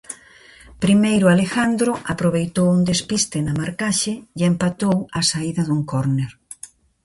Primeiro Alejandro aproveitou un despiste na marcaxe e empatou á saída dun córner.